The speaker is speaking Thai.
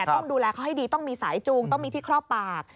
ต้องดูแลเขาให้ดีต้องมีสายจูงต้องมีที่ครอบปาก